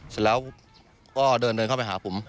เสร็จแล้วก็เดินเดินเข้าไปหาผม